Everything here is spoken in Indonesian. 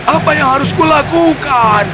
apa yang harus kulakukan